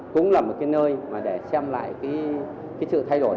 cũng là một cái nơi mà để xem lại cái sự thay đổi